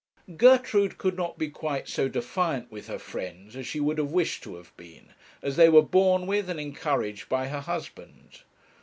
Gertrude could not be quite so defiant with her friends as she would have wished to have been, as they were borne with and encouraged by her husband.